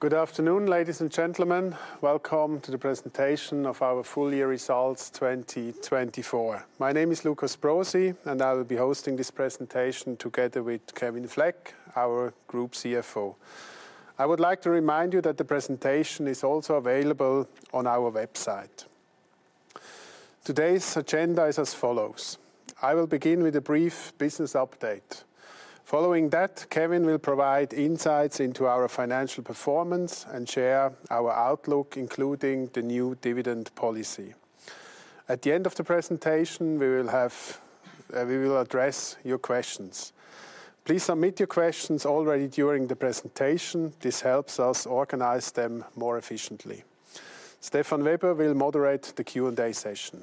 Good afternoon, ladies and gentlemen. Welcome to the presentation of Our Full Year Results 2024. My name is Lukas Brosi, and I will be hosting this presentation together with Kevin Fleck, our Group CFO. I would like to remind you that the presentation is also available on our website. Today's agenda is as follows. I will begin with a brief business update. Following that, Kevin will provide insights into our financial performance and share our outlook, including the new dividend policy. At the end of the presentation, we will address your questions. Please submit your questions already during the presentation. This helps us organize them more efficiently. Stefan Weber will moderate the Q&A session.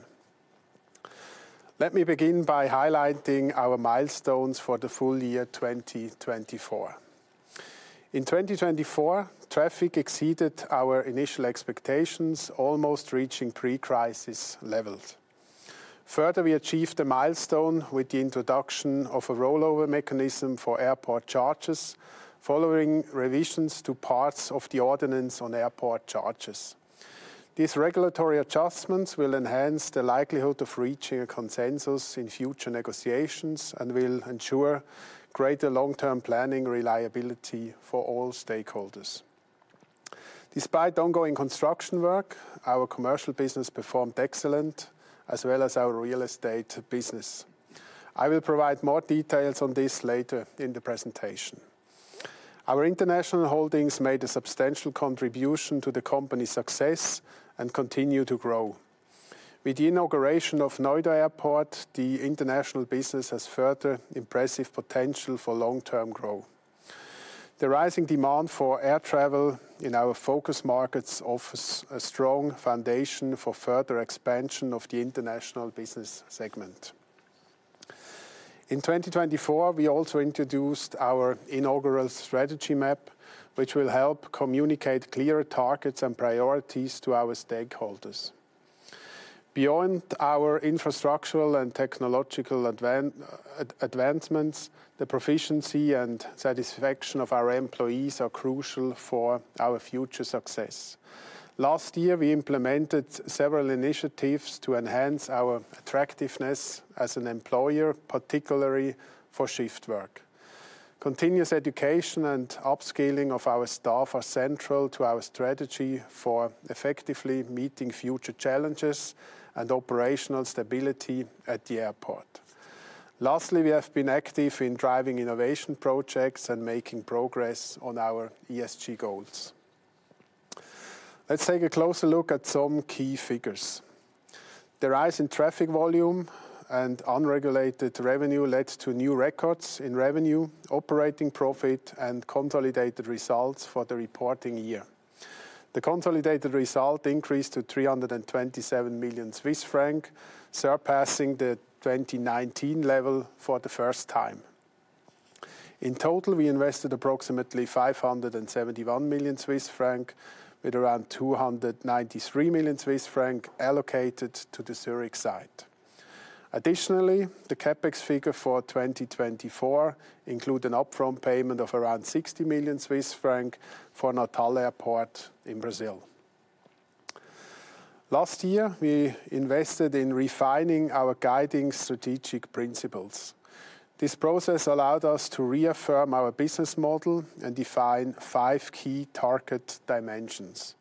Let me begin by highlighting our milestones for the full year 2024. In 2024, traffic exceeded our initial expectations, almost reaching pre-crisis levels. Further, we achieved a milestone with the introduction of a rollover mechanism for airport charges, following revisions to parts of the Ordinance on Airport Charges. These regulatory adjustments will enhance the likelihood of reaching a consensus in future negotiations and will ensure greater long-term planning reliability for all stakeholders. Despite ongoing construction work, our commercial business performed excellent, as well as our real estate business. I will provide more details on this later in the presentation. Our international holdings made a substantial contribution to the company's success and continue to grow. With the inauguration of Noida Airport, the international business has further impressive potential for long-term growth. The rising demand for air travel in our focus markets offers a strong foundation for further expansion of the international business segment. In 2024, we also introduced our inaugural strategy map, which will help communicate clearer targets and priorities to our stakeholders. Beyond our infrastructural and technological advancements, the proficiency and satisfaction of our employees are crucial for our future success. Last year, we implemented several initiatives to enhance our attractiveness as an employer, particularly for shift work. Continuous education and upskilling of our staff are central to our strategy for effectively meeting future challenges and operational stability at the airport. Lastly, we have been active in driving innovation projects and making progress on our ESG goals. Let's take a closer look at some key figures. The rise in traffic volume and unregulated revenue led to new records in revenue, operating profit, and consolidated results for the reporting year. The consolidated result increased to 327 million Swiss francs, surpassing the 2019 level for the first time. In total, we invested approximately 571 million Swiss franc, with around 293 million Swiss franc allocated to the Zurich site. Additionally, the CapEx figure for 2024 included an upfront payment of around 60 million Swiss francs for Natal Airport in Brazil. Last year, we invested in refining our guiding strategic principles. This process allowed us to reaffirm our business model and define five key target dimensions: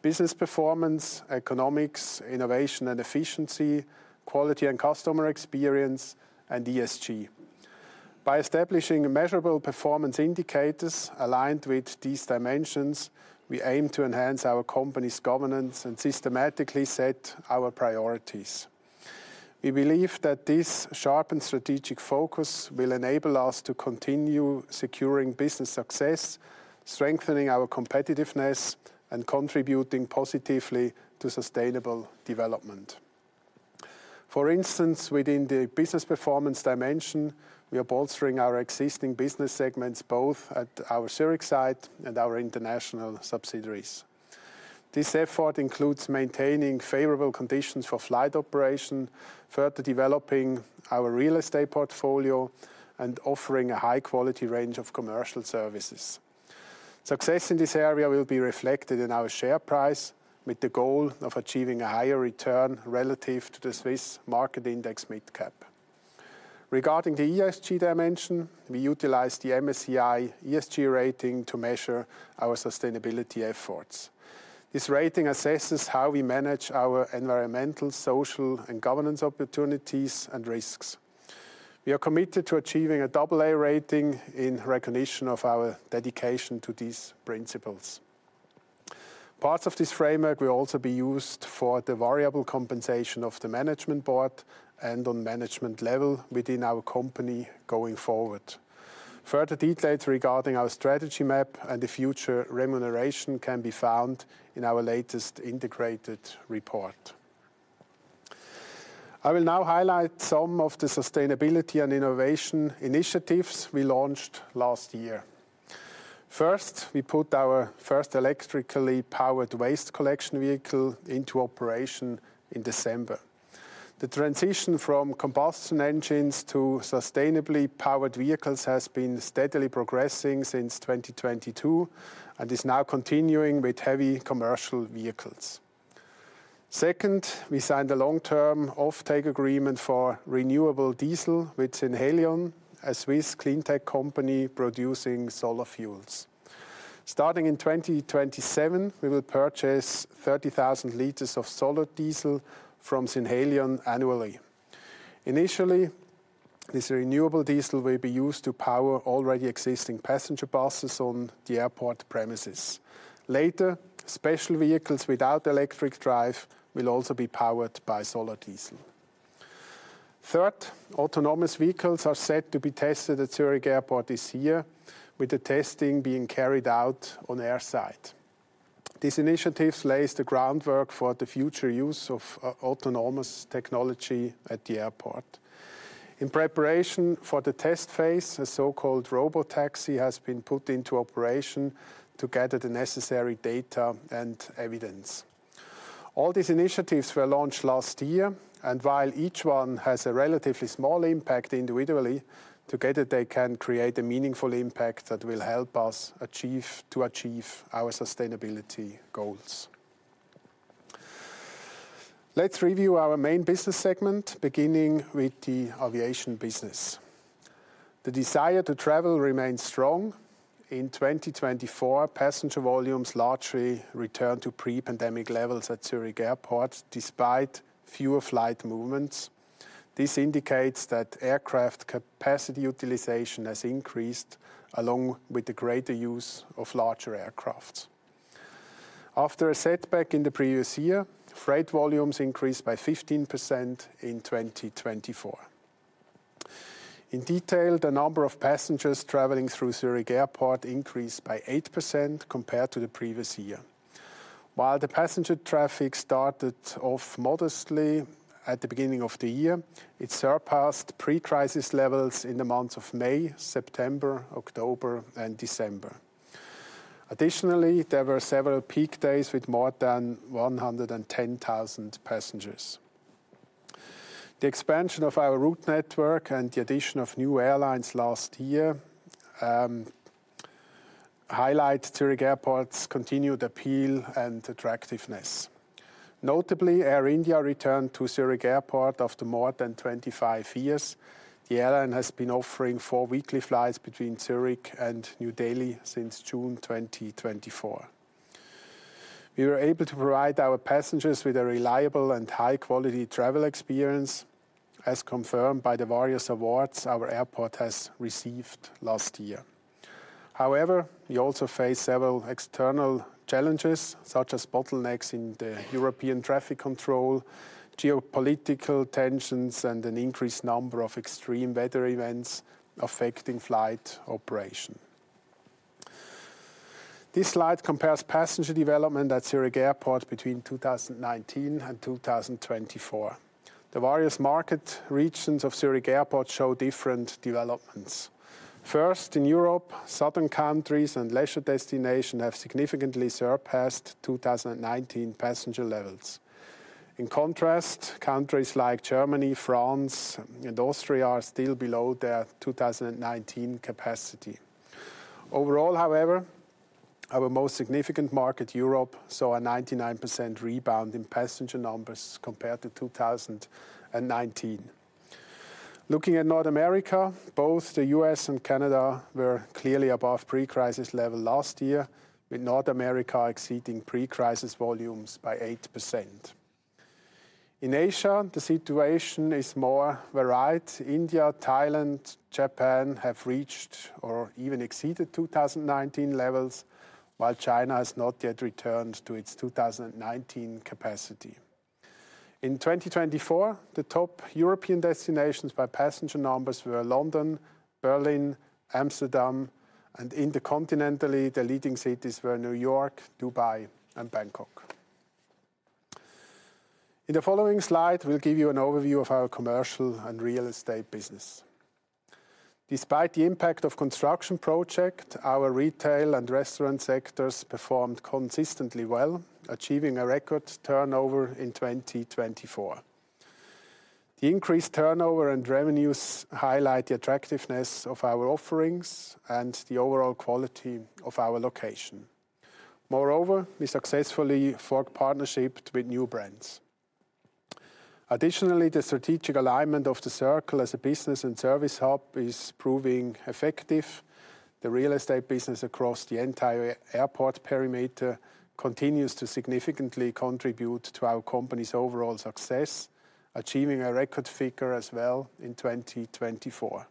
business performance, economics, innovation and efficiency, quality and customer experience, and ESG. By establishing measurable performance indicators aligned with these dimensions, we aim to enhance our company's governance and systematically set our priorities. We believe that this sharpened strategic focus will enable us to continue securing business success, strengthening our competitiveness, and contributing positively to sustainable development. For instance, within the business performance dimension, we are bolstering our existing business segments both at our Zurich site and our international subsidiaries. This effort includes maintaining favorable conditions for flight operation, further developing our real estate portfolio, and offering a high-quality range of commercial services. Success in this area will be reflected in our share price, with the goal of achieving a higher return relative to the Swiss Market Index Mid-Cap. Regarding the ESG dimension, we utilize the MSCI ESG rating to measure our sustainability efforts. This rating assesses how we manage our environmental, social, and governance opportunities and risks. We are committed to achieving a double-A rating in recognition of our dedication to these principles. Parts of this framework will also be used for the variable compensation of the management board and on management level within our company going forward. Further details regarding our strategy map and the future remuneration can be found in our latest integrated report. I will now highlight some of the sustainability and innovation initiatives we launched last year. First, we put our first electrically powered waste collection vehicle into operation in December. The transition from combustion engines to sustainably powered vehicles has been steadily progressing since 2022 and is now continuing with heavy commercial vehicles. Second, we signed a long-term off-take agreement for renewable diesel with Synhelion, a Swiss cleantech company producing solar fuels. Starting in 2027, we will purchase 30,000 liters of solar diesel from Synhelion annually. Initially, this renewable diesel will be used to power already existing passenger buses on the airport premises. Later, special vehicles without electric drive will also be powered by solar diesel. Third, autonomous vehicles are set to be tested at Zurich Airport this year, with the testing being carried out on airside. This initiative lays the groundwork for the future use of autonomous technology at the airport. In preparation for the test phase, a so-called robotaxi has been put into operation to gather the necessary data and evidence. All these initiatives were launched last year, and while each one has a relatively small impact individually, together they can create a meaningful impact that will help us to achieve our sustainability goals. Let's review our main business segment, beginning with the aviation business. The desire to travel remains strong. In 2024, passenger volumes largely returned to pre-pandemic levels at Zurich Airport, despite fewer flight movements. This indicates that aircraft capacity utilization has increased along with the greater use of larger aircraft. After a setback in the previous year, freight volumes increased by 15% in 2024. In detail, the number of passengers traveling through Zurich Airport increased by 8% compared to the previous year. While the passenger traffic started off modestly at the beginning of the year, it surpassed pre-crisis levels in the months of May, September, October, and December. Additionally, there were several peak days with more than 110,000 passengers. The expansion of our route network and the addition of new airlines last year highlight Zurich Airport's continued appeal and attractiveness. Notably, Air India returned to Zurich Airport after more than 25 years. The airline has been offering four weekly flights between Zurich and New Delhi since June 2024. We were able to provide our passengers with a reliable and high-quality travel experience, as confirmed by the various awards our airport has received last year. However, we also faced several external challenges, such as bottlenecks in the European traffic control, geopolitical tensions, and an increased number of extreme weather events affecting flight operation. This slide compares passenger development at Zurich Airport between 2019 and 2024. The various market regions of Zurich Airport show different developments. First, in Europe, southern countries and leisure destinations have significantly surpassed 2019 passenger levels. In contrast, countries like Germany, France, and Austria are still below their 2019 capacity. Overall, however, our most significant market, Europe, saw a 99% rebound in passenger numbers compared to 2019. Looking at North America, both the U.S. and Canada were clearly above pre-crisis levels last year, with North America exceeding pre-crisis volumes by 8%. In Asia, the situation is more varied. India, Thailand, and Japan have reached or even exceeded 2019 levels, while China has not yet returned to its 2019 capacity. In 2024, the top European destinations by passenger numbers were London, Berlin, Amsterdam, and intercontinentally, the leading cities were New York, Dubai, and Bangkok. In the following slide, we will give you an overview of our commercial and real estate business. Despite the impact of construction projects, our retail and restaurant sectors performed consistently well, achieving a record turnover in 2024. The increased turnover and revenues highlight the attractiveness of our offerings and the overall quality of our location. Moreover, we successfully forged partnerships with new brands. Additionally, the strategic alignment of the Circle as a business and service hub is proving effective. The real estate business across the entire airport perimeter continues to significantly contribute to our company's overall success, achieving a record figure as well in 2024.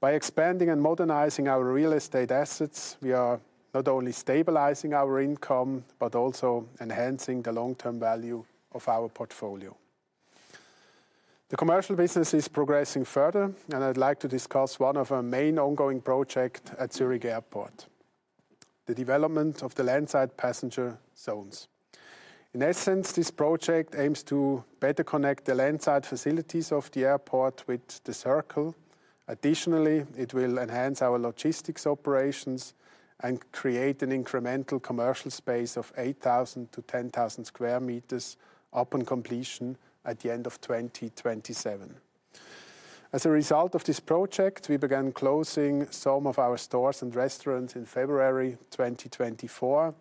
By expanding and modernizing our real estate assets, we are not only stabilizing our income but also enhancing the long-term value of our portfolio. The commercial business is progressing further, and I'd like to discuss one of our main ongoing projects at Zurich Airport: the development of the landside passenger zones. In essence, this project aims to better connect the landside facilities of the airport with the Circle. Additionally, it will enhance our logistics operations and create an incremental commercial space of 8,000-10,000 sq m upon completion at the end of 2027. As a result of this project, we began closing some of our stores and restaurants in February 2024,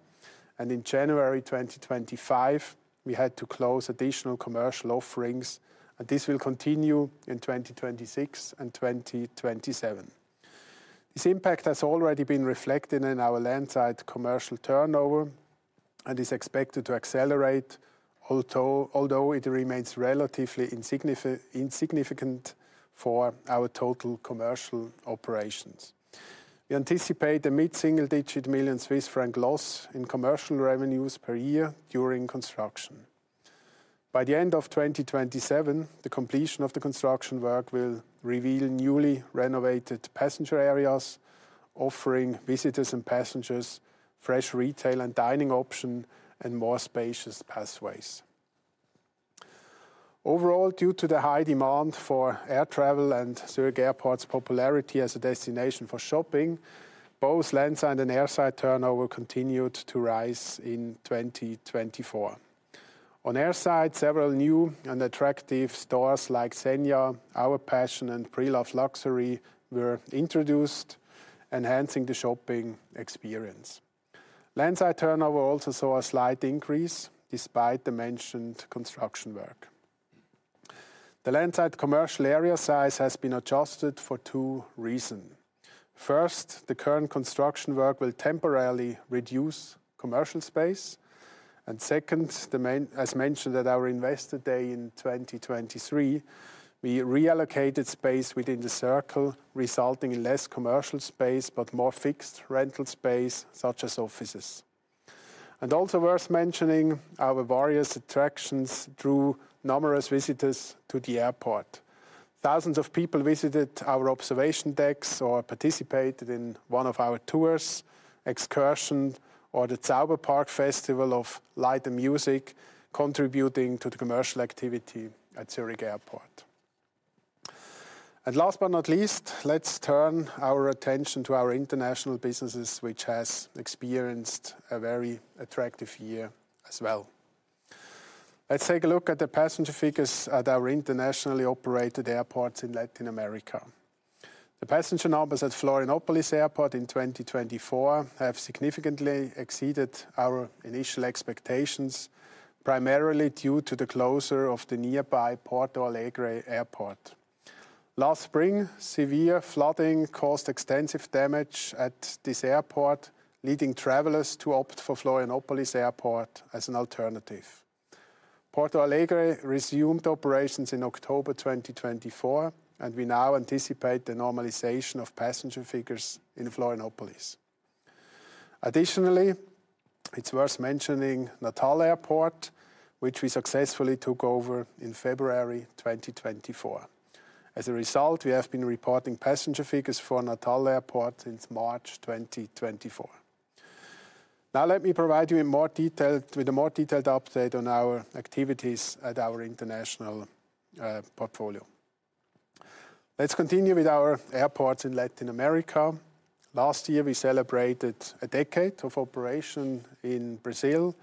and in January 2025, we had to close additional commercial offerings, and this will continue in 2026 and 2027. This impact has already been reflected in our landside commercial turnover and is expected to accelerate, although it remains relatively insignificant for our total commercial operations. We anticipate a mid-single-digit million CHF loss in commercial revenues per year during construction. By the end of 2027, the completion of the construction work will reveal newly renovated passenger areas, offering visitors and passengers fresh retail and dining options and more spacious pathways. Overall, due to the high demand for air travel and Zurich Airport's popularity as a destination for shopping, both landside and airside turnover continued to rise in 2024. On airside, several new and attractive stores like Zegna, Hour Passion, and Pre-Loved Luxury were introduced, enhancing the shopping experience. Landside turnover also saw a slight increase despite the mentioned construction work. The landside commercial area size has been adjusted for two reasons. First, the current construction work will temporarily reduce commercial space. Second, as mentioned at our investor day in 2023, we reallocated space within the Circle, resulting in less commercial space but more fixed rental space, such as offices. Also worth mentioning, our various attractions drew numerous visitors to the airport. Thousands of people visited our observation decks or participated in one of our tours, excursions, or the Zauberpark Festival of light and music, contributing to the commercial activity at Zurich Airport. Last but not least, let's turn our attention to our international businesses, which have experienced a very attractive year as well. Let's take a look at the passenger figures at our internationally operated airports in Latin America. The passenger numbers at Florianópolis Airport in 2024 have significantly exceeded our initial expectations, primarily due to the closure of the nearby Porto Alegre Airport. Last spring, severe flooding caused extensive damage at this airport, leading travelers to opt for Florianópolis Airport as an alternative. Porto Alegre resumed operations in October 2024, and we now anticipate the normalization of passenger figures in Florianópolis. Additionally, it's worth mentioning Natal Airport, which we successfully took over in February 2024. As a result, we have been reporting passenger figures for Natal Airport since March 2024. Now let me provide you with a more detailed update on our activities at our international portfolio. Let's continue with our airports in Latin America. Last year, we celebrated a decade of operation in Brazil.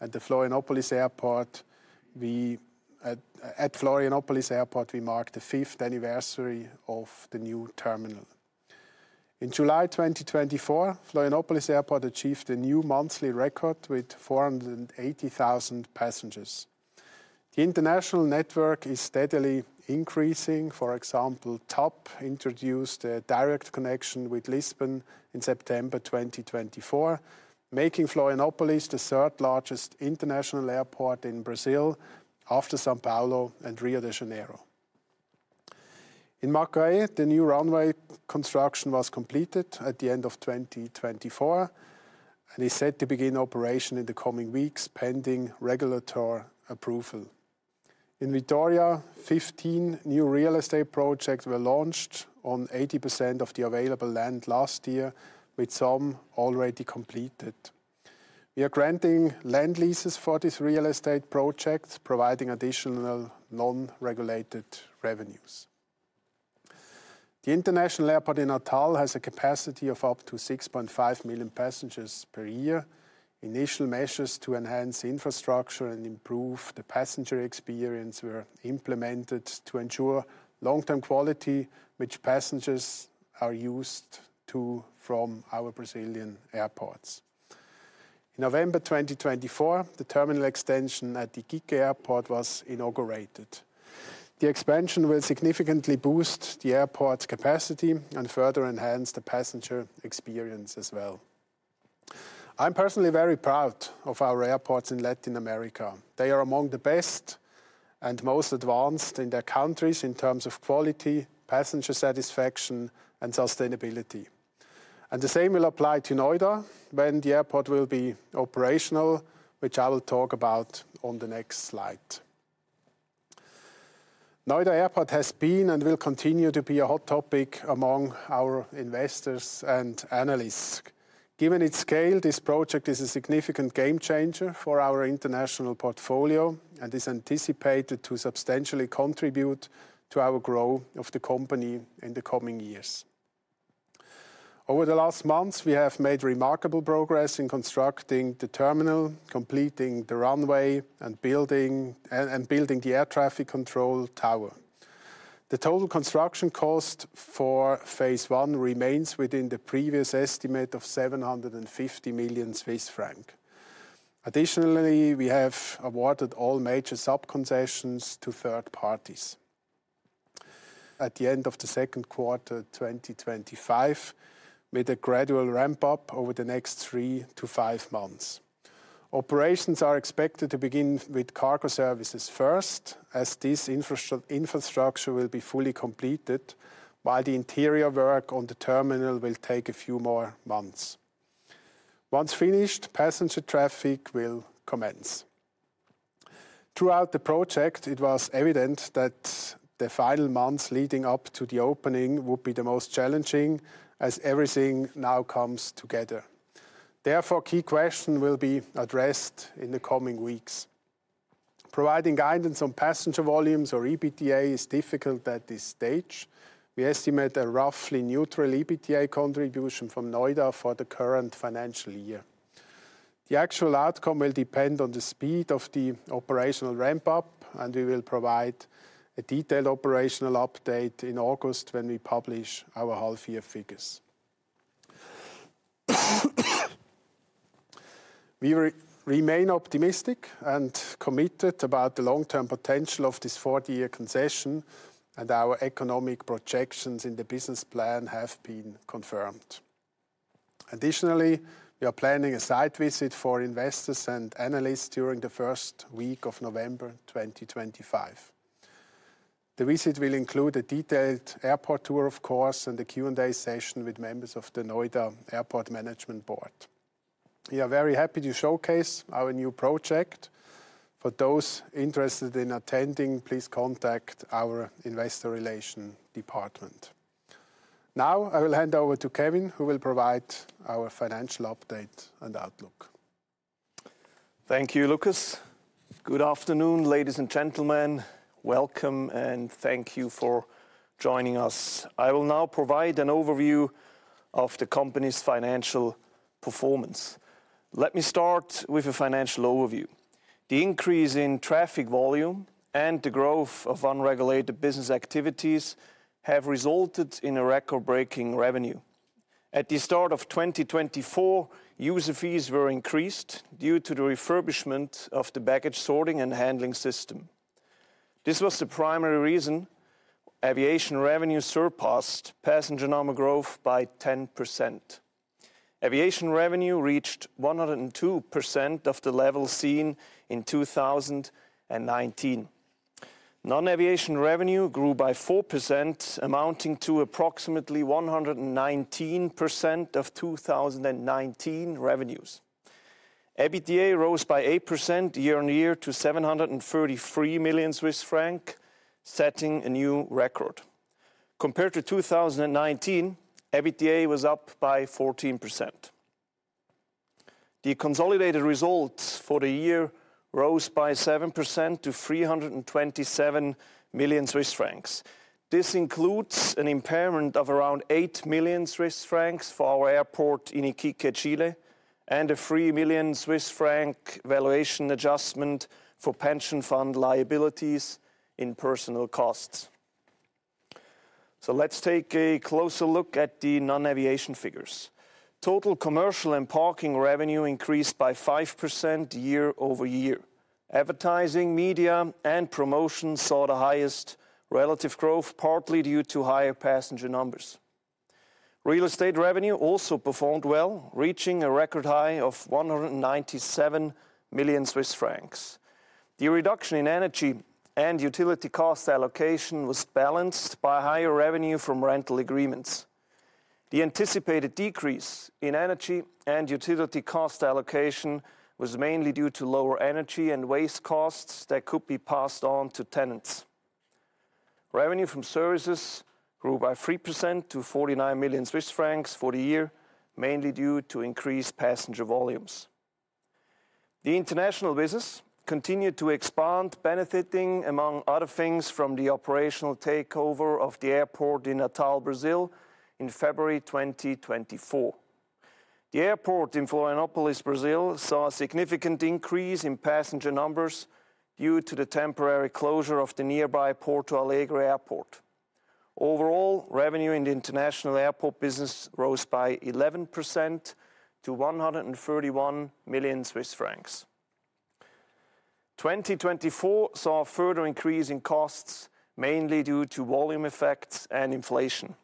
At Florianópolis Airport, we marked the fifth anniversary of the new terminal. In July 2024, Florianópolis Airport achieved a new monthly record with 480,000 passengers. The international network is steadily increasing. For example, TAP introduced a direct connection with Lisbon in September 2024, making Florianópolis the third largest international airport in Brazil after São Paulo and Rio de Janeiro. In Macaé, the new runway construction was completed at the end of 2024 and is set to begin operation in the coming weeks, pending regulatory approval. In Vitória, 15 new real estate projects were launched on 80% of the available land last year, with some already completed. We are granting land leases for these real estate projects, providing additional non-regulated revenues. The international airport in Natal has a capacity of up to 6.5 million passengers per year. Initial measures to enhance infrastructure and improve the passenger experience were implemented to ensure long-term quality which passengers are used to from our Brazilian airports. In November 2024, the terminal extension at the Galeão Airport (GIG) was inaugurated. The expansion will significantly boost the airport's capacity and further enhance the passenger experience as well. I'm personally very proud of our airports in Latin America. They are among the best and most advanced in their countries in terms of quality, passenger satisfaction, and sustainability. The same will apply to Noida when the airport will be operational, which I will talk about on the next slide. Noida Airport has been and will continue to be a hot topic among our investors and analysts. Given its scale, this project is a significant game changer for our international portfolio and is anticipated to substantially contribute to our growth of the company in the coming years. Over the last months, we have made remarkable progress in constructing the terminal, completing the runway, and building the air traffic control tower. The total construction cost for phase one remains within the previous estimate of 750 million Swiss francs. Additionally, we have awarded all major sub-concessions to third parties at the end of the second quarter 2025, with a gradual ramp-up over the next three to five months. Operations are expected to begin with cargo services first, as this infrastructure will be fully completed, while the interior work on the terminal will take a few more months. Once finished, passenger traffic will commence. Throughout the project, it was evident that the final months leading up to the opening would be the most challenging, as everything now comes together. Therefore, key questions will be addressed in the coming weeks. Providing guidance on passenger volumes or EBITDA is difficult at this stage. We estimate a roughly neutral EBITDA contribution from Noida for the current financial year. The actual outcome will depend on the speed of the operational ramp-up, and we will provide a detailed operational update in August when we publish our half-year figures. We remain optimistic and committed about the long-term potential of this 40-year concession, and our economic projections in the business plan have been confirmed. Additionally, we are planning a site visit for investors and analysts during the first week of November 2025. The visit will include a detailed airport tour, of course, and a Q&A session with members of the Noida Airport Management Board. We are very happy to showcase our new project. For those interested in attending, please contact our Investor Relations department. Now I will hand over to Kevin, who will provide our financial update and outlook. Thank you, Lukas. Good afternoon, ladies and gentlemen. Welcome, and thank you for joining us. I will now provide an overview of the company's financial performance. Let me start with a financial overview. The increase in traffic volume and the growth of unregulated business activities have resulted in record-breaking revenue. At the start of 2024, user fees were increased due to the refurbishment of the baggage sorting and handling system. This was the primary reason aviation revenue surpassed passenger number growth by 10%. Aviation revenue reached 102% of the level seen in 2019. Non-aviation revenue grew by 4%, amounting to approximately 119% of 2019 revenues. EBITDA rose by 8% year on year to 733 million Swiss franc, setting a new record. Compared to 2019, EBITDA was up by 14%. The consolidated results for the year rose by 7% to 327 million Swiss francs. This includes an impairment of around 8 million Swiss francs for our airport in Iquique, Chile, and a 3 million Swiss franc valuation adjustment for pension fund liabilities in personnel costs. Let's take a closer look at the non-aviation figures. Total commercial and parking revenue increased by 5% year-over-year. Advertising, media, and promotions saw the highest relative growth, partly due to higher passenger numbers. Real estate revenue also performed well, reaching a record high of 197 million Swiss francs. The reduction in energy and utility cost allocation was balanced by higher revenue from rental agreements. The anticipated decrease in energy and utility cost allocation was mainly due to lower energy and waste costs that could be passed on to tenants. Revenue from services grew by 3% to 49 million Swiss francs for the year, mainly due to increased passenger volumes. The international business continued to expand, benefiting, among other things, from the operational takeover of the airport in Natal, Brazil, in February 2024. The airport in Florianópolis, Brazil, saw a significant increase in passenger numbers due to the temporary closure of the nearby Porto Alegre Airport. Overall, revenue in the international airport business rose by 11% to CHF 131 million. 2024 saw a further increase in costs, mainly due to volume effects and inflation.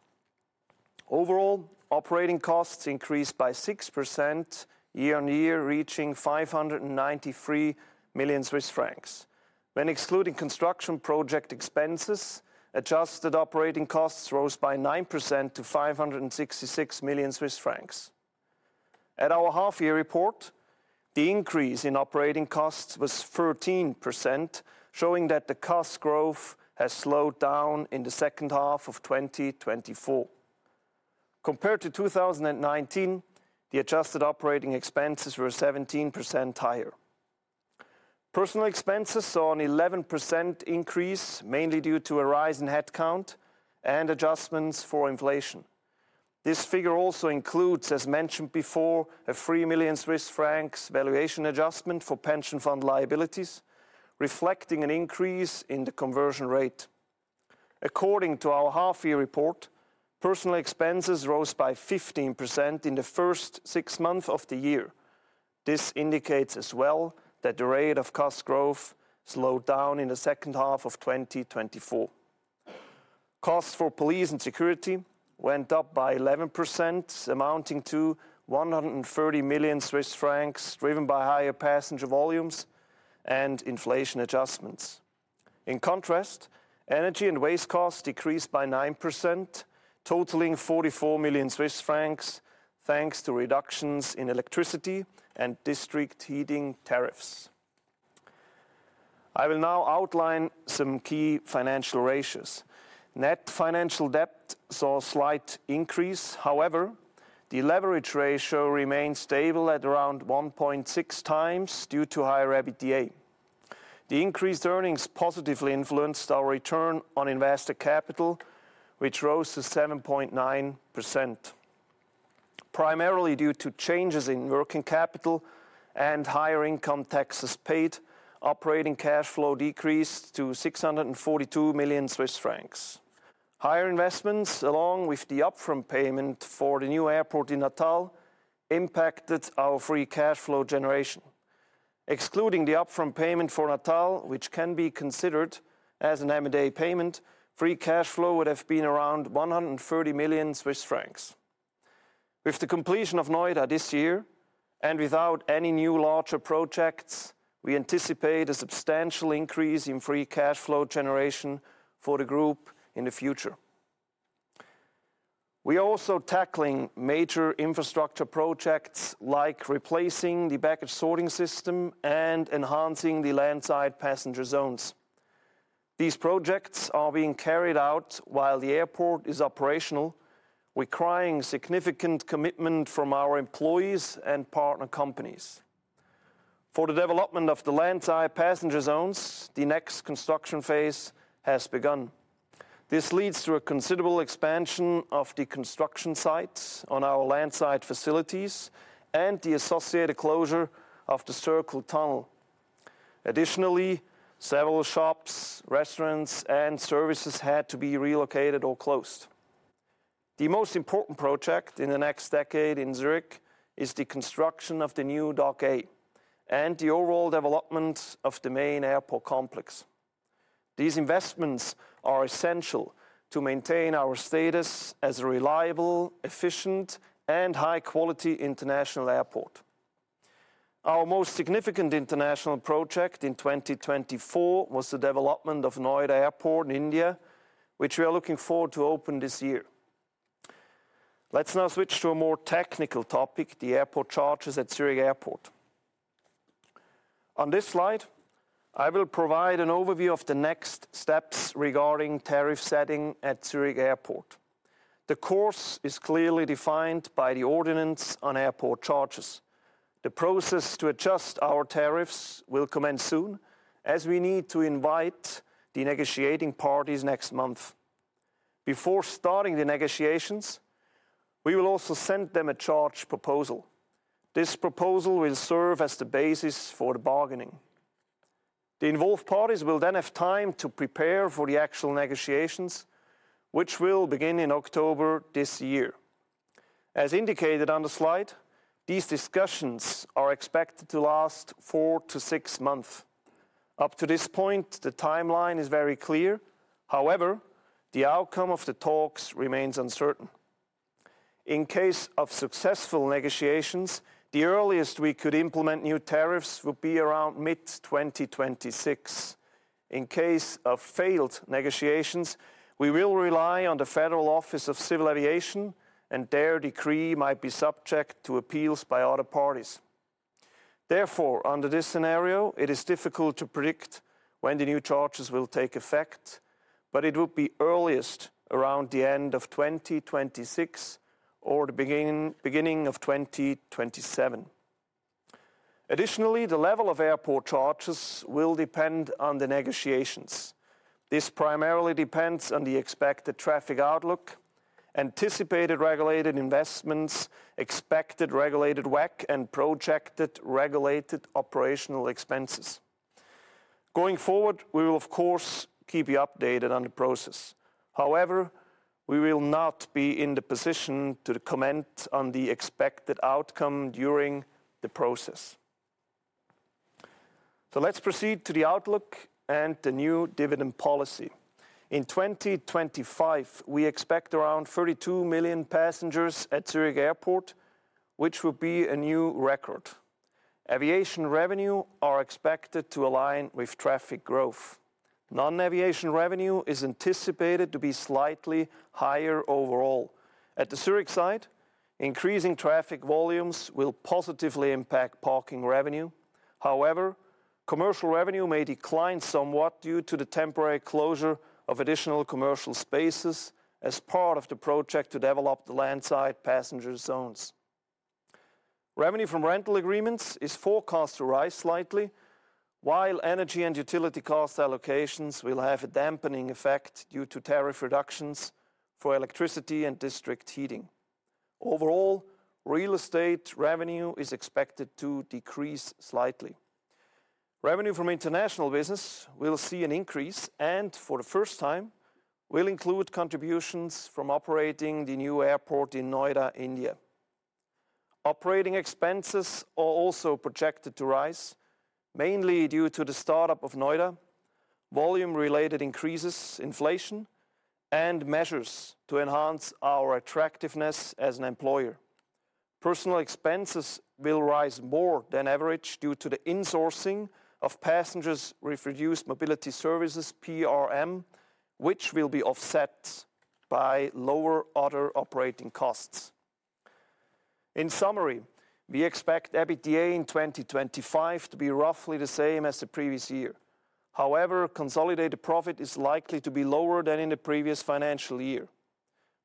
Overall, operating costs increased by 6% year on year, reaching 593 million Swiss francs. When excluding construction project expenses, adjusted operating costs rose by 9% to 566 million Swiss francs. At our half-year report, the increase in operating costs was 13%, showing that the cost growth has slowed down in the second half of 2024. Compared to 2019, the adjusted operating expenses were 17% higher. Personnel expenses saw an 11% increase, mainly due to a rise in headcount and adjustments for inflation. This figure also includes, as mentioned before, a 3 million Swiss francs valuation adjustment for pension fund liabilities, reflecting an increase in the conversion rate. According to our half-year report, personnel expenses rose by 15% in the first six months of the year. This indicates as well that the rate of cost growth slowed down in the second half of 2024. Costs for police and security went up by 11%, amounting to 130 million Swiss francs, driven by higher passenger volumes and inflation adjustments. In contrast, energy and waste costs decreased by 9%, totaling 44 million Swiss francs, thanks to reductions in electricity and district heating tariffs. I will now outline some key financial ratios. Net financial debt saw a slight increase. However, the leverage ratio remained stable at around 1.6x due to higher EBITDA. The increased earnings positively influenced our return on invested capital, which rose to 7.9%, primarily due to changes in working capital and higher income taxes paid. Operating cash flow decreased to 642 million Swiss francs. Higher investments, along with the upfront payment for the new airport in Natal, impacted our free cash flow generation. Excluding the upfront payment for Natal, which can be considered as an M&A payment, free cash flow would have been around 130 million Swiss francs. With the completion of Noida this year and without any new larger projects, we anticipate a substantial increase in free cash flow generation for the group in the future. We are also tackling major infrastructure projects like replacing the baggage sorting system and enhancing the landside passenger zones. These projects are being carried out while the airport is operational, requiring significant commitment from our employees and partner companies. For the development of the landside passenger zones, the next construction phase has begun. This leads to a considerable expansion of the construction sites on our landside facilities and the associated closure of the Circle tunnel. Additionally, several shops, restaurants, and services had to be relocated or closed. The most important project in the next decade in Zurich is the construction of the new Dock A and the overall development of the main airport complex. These investments are essential to maintain our status as a reliable, efficient, and high-quality international airport. Our most significant international project in 2024 was the development of Noida Airport in India, which we are looking forward to open this year. Let's now switch to a more technical topic, the airport charges at Zurich Airport. On this slide, I will provide an overview of the next steps regarding tariff setting at Zurich Airport. The course is clearly defined by the Ordinance on Airport Charges. The process to adjust our tariffs will commence soon, as we need to invite the negotiating parties next month. Before starting the negotiations, we will also send them a charge proposal. This proposal will serve as the basis for the bargaining. The involved parties will then have time to prepare for the actual negotiations, which will begin in October this year. As indicated on the slide, these discussions are expected to last four to six months. Up to this point, the timeline is very clear. However, the outcome of the talks remains uncertain. In case of successful negotiations, the earliest we could implement new tariffs would be around mid-2026. In case of failed negotiations, we will rely on the Federal Office of Civil Aviation, and their decree might be subject to appeals by other parties. Therefore, under this scenario, it is difficult to predict when the new charges will take effect, but it would be earliest around the end of 2026 or the beginning of 2027. Additionally, the level of airport charges will depend on the negotiations. This primarily depends on the expected traffic outlook, anticipated regulated investments, expected regulated WACC, and projected regulated operational expenses. Going forward, we will, of course, keep you updated on the process. However, we will not be in the position to comment on the expected outcome during the process. Let's proceed to the outlook and the new dividend policy. In 2025, we expect around 32 million passengers at Zurich Airport, which would be a new record. Aviation revenue is expected to align with traffic growth. Non-aviation revenue is anticipated to be slightly higher overall. At the Zurich site, increasing traffic volumes will positively impact parking revenue. However, commercial revenue may decline somewhat due to the temporary closure of additional commercial spaces as part of the project to develop the landside passenger zones. Revenue from rental agreements is forecast to rise slightly, while energy and utility cost allocations will have a dampening effect due to tariff reductions for electricity and district heating. Overall, real estate revenue is expected to decrease slightly. Revenue from international business will see an increase, and for the first time, will include contributions from operating the new airport in Noida, India. Operating expenses are also projected to rise, mainly due to the startup of Noida, volume-related increases, inflation, and measures to enhance our attractiveness as an employer. Personnel expenses will rise more than average due to the insourcing of passengers with reduced mobility services, PRM, which will be offset by lower other operating costs. In summary, we expect EBITDA in 2025 to be roughly the same as the previous year. However, consolidated profit is likely to be lower than in the previous financial year.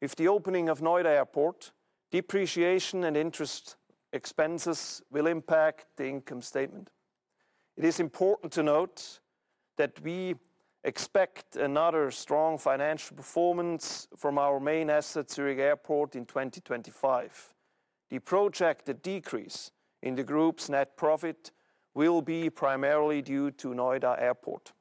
With the opening of Noida Airport, depreciation and interest expenses will impact the income statement. It is important to note that we expect another strong financial performance from our main asset, Zurich Airport, in 2025. The projected decrease in the group's net profit will be primarily due to Noida Airport.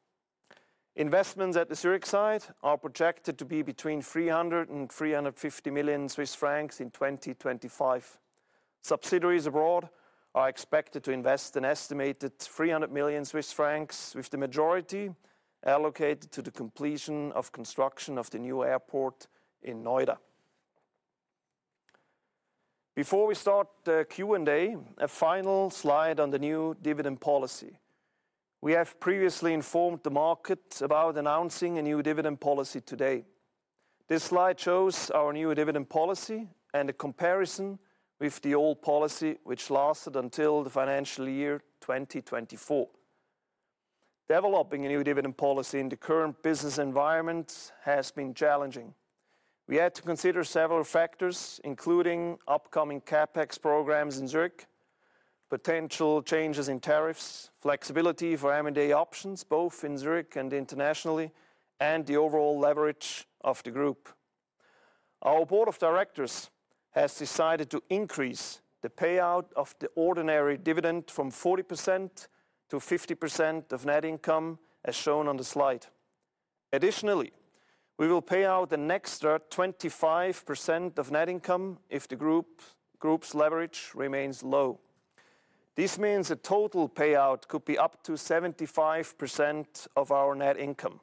Investments at the Zurich site are projected to be between 300 million Swiss francs and 350 million Swiss francs in 2025. Subsidiaries abroad are expected to invest an estimated 300 million Swiss francs, with the majority allocated to the completion of construction of the new airport in Noida. Before we start the Q&A, a final slide on the new dividend policy. We have previously informed the market about announcing a new dividend policy today. This slide shows our new dividend policy and a comparison with the old policy, which lasted until the financial year 2024. Developing a new dividend policy in the current business environment has been challenging. We had to consider several factors, including upcoming CapEx programs in Zurich, potential changes in tariffs, flexibility for M&A options, both in Zurich and internationally, and the overall leverage of the group. Our Board of Directors has decided to increase the payout of the ordinary dividend from 40% to 50% of net income, as shown on the slide. Additionally, we will pay out an extra 25% of net income if the group's leverage remains low. This means a total payout could be up to 75% of our net income.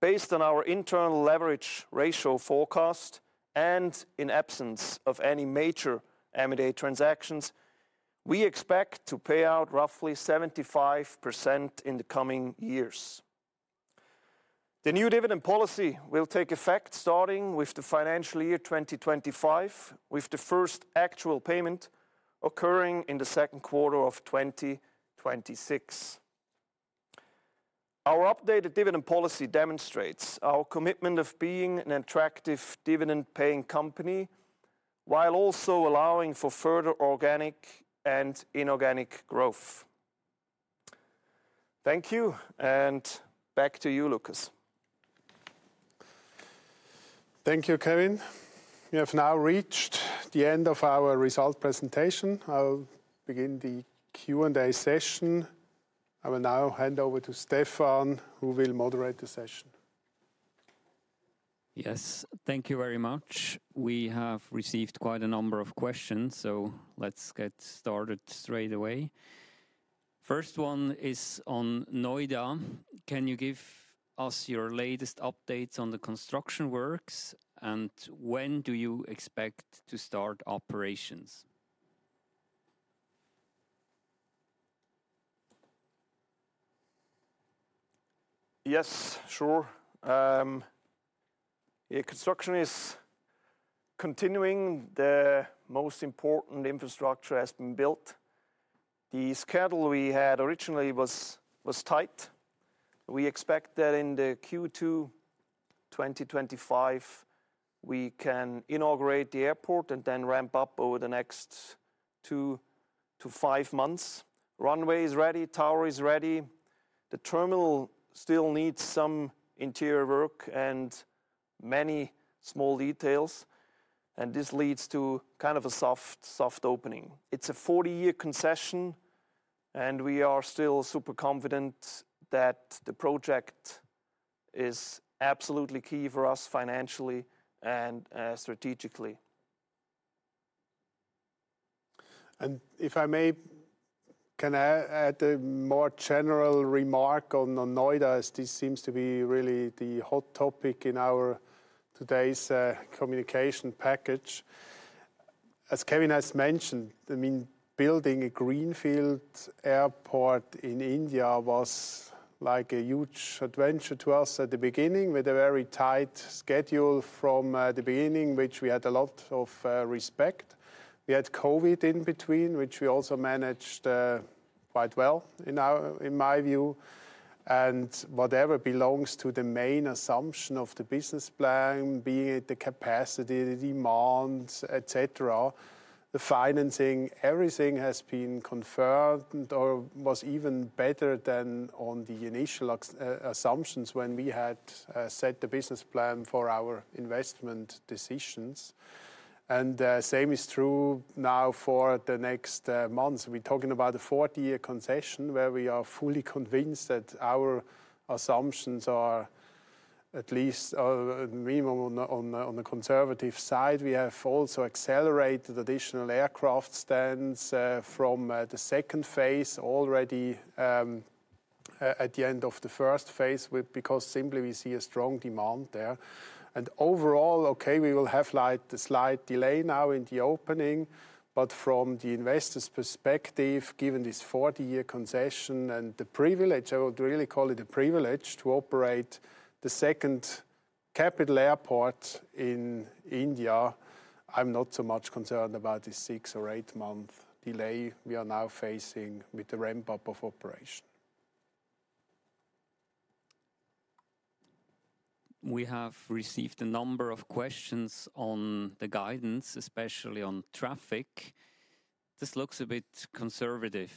Based on our internal leverage ratio forecast and in absence of any major M&A transactions, we expect to pay out roughly 75% in the coming years. The new dividend policy will take effect starting with the financial year 2025, with the first actual payment occurring in the second quarter of 2026. Our updated dividend policy demonstrates our commitment of being an attractive dividend-paying company, while also allowing for further organic and inorganic growth. Thank you, and back to you, Lukas. Thank you, Kevin. We have now reached the end of our result presentation. I'll begin the Q&A session. I will now hand over to Stefan, who will moderate the session. Yes, thank you very much. We have received quite a number of questions, so let's get started straight away. First one is on Noida. Can you give us your latest updates on the construction works, and when do you expect to start operations? Yes, sure. Construction is continuing. The most important infrastructure has been built. The schedule we had originally was tight. We expect that in Q2 2025, we can inaugurate the airport and then ramp up over the next two to five months. Runway is ready, tower is ready. The terminal still needs some interior work and many small details, and this leads to kind of a soft opening. It is a 40-year concession, and we are still super confident that the project is absolutely key for us financially and strategically. If I may, can I add a more general remark on Noida, as this seems to be really the hot topic in our today's communication package? As Kevin has mentioned, I mean, building a greenfield airport in India was like a huge adventure to us at the beginning, with a very tight schedule from the beginning, which we had a lot of respect. We had COVID in between, which we also managed quite well, in my view. Whatever belongs to the main assumption of the business plan, being the capacity, the demands, etc., the financing, everything has been confirmed or was even better than on the initial assumptions when we had set the business plan for our investment decisions. The same is true now for the next months. We're talking about a 40-year concession where we are fully convinced that our assumptions are at least minimum on the conservative side. We have also accelerated additional aircraft stands from the second phase already at the end of the first phase because simply we see a strong demand there. Overall, okay, we will have a slight delay now in the opening, but from the investor's perspective, given this 40-year concession and the privilege, I would really call it a privilege to operate the second capital airport in India, I'm not so much concerned about this six or eight month delay we are now facing with the ramp-up of operation. We have received a number of questions on the guidance, especially on traffic. This looks a bit conservative.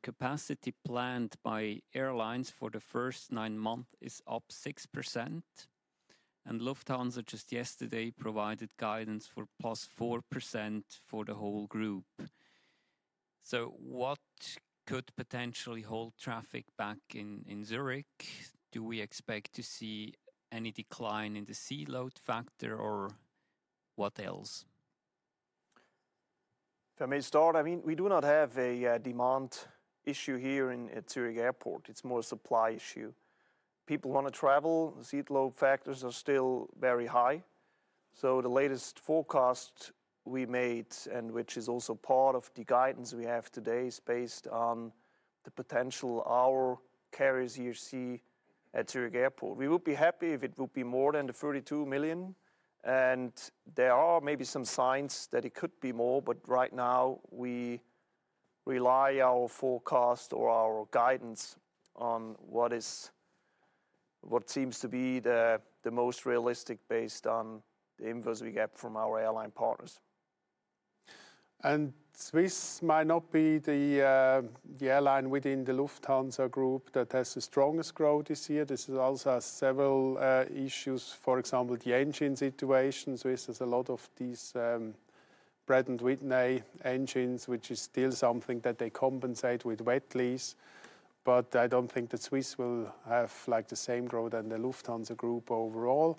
Capacity planned by airlines for the first nine months is up 6%, and Lufthansa just yesterday provided guidance for plus 4% for the whole group. What could potentially hold traffic back in Zurich? Do we expect to see any decline in the seat load factor or what else? If I may start, I mean, we do not have a demand issue here in Zurich Airport. It's more a supply issue. People want to travel. Seat load factors are still very high. The latest forecast we made, and which is also part of the guidance we have today, is based on the potential our carriers here see at Zurich Airport. We would be happy if it would be more than the 32 million, and there are maybe some signs that it could be more, but right now we rely on our forecast or our guidance on what seems to be the most realistic based on the input we get from our airline partners. Swiss might not be the airline within the Lufthansa Group that has the strongest growth this year. This also has several issues, for example, the engine situation. Swiss has a lot of these Pratt & Whitney engines, which is still something that they compensate with wet lease, but I don't think that Swiss will have the same growth than the Lufthansa Group overall.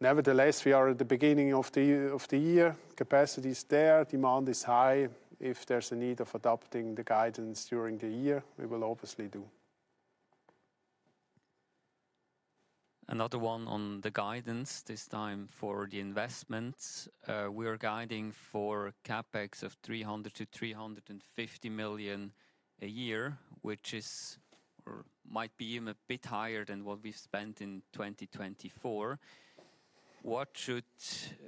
Nevertheless, we are at the beginning of the year. Capacity is there. Demand is high. If there's a need of adopting the guidance during the year, we will obviously do. Another one on the guidance this time for the investments. We are guiding for CapEx of 300 million-350 million a year, which might be a bit higher than what we've spent in 2024. What should